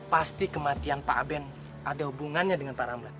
pasti kematian pak aben ada hubungannya dengan pak ramlan